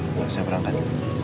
mbak saya berangkat